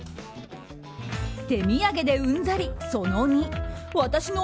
手土産でうんざり、その２。